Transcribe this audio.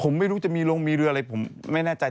ผมไม่รู้จะมีลงมีเรืออะไรผมไม่แน่ใจ